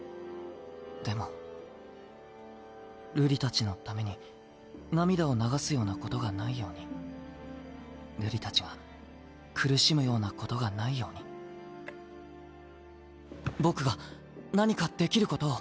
でも瑠璃たちのために涙を流すようなことがないように瑠璃たちが苦しむようなことがないように僕が何かできることを。